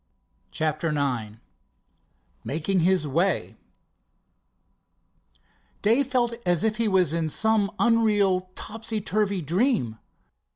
CHAPTER IX MAKING HIS WAY Dave felt as if he was in some unreal, topsy turvy dream.